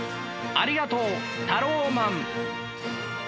ありがとうタローマン！